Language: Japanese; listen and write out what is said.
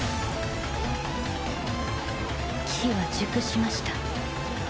機は熟しました。